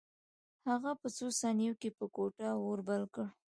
هغه په څو ثانیو کې په کوټه اور بل کړ